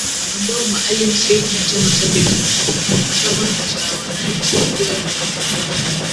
Ambao Maalim Seif na chama chake cha Chama cha Wananchi waliugomea